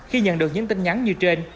khi nhận được những tin nhắn như trên